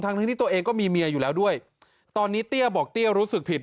ทั้งทั้งที่ตัวเองก็มีเมียอยู่แล้วด้วยตอนนี้เตี้ยบอกเตี้ยรู้สึกผิด